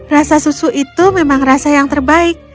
rasa susu itu memang rasa yang terbaik